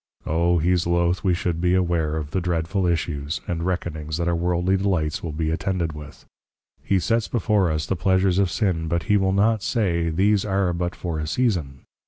_ O he's loth we should be aware of the dreadful Issues, and Reckonings that our Worldly Delights will be attended with. He sets before us, The Pleasures of Sin; but he will not say, _These are but for a Season.